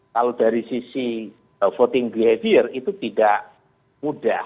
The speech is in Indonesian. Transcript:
kalau dari sisi voting behavior itu tidak mudah